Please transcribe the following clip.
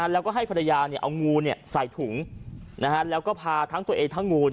แล้วก็ให้ภรรยาเอางูใส่ถุงแล้วก็พาทั้งตัวเองทั้งงู